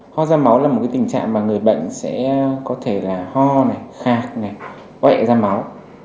ho ra máu là một tình trạng mà người bệnh sẽ có thể là ho khạc quẹ ra máu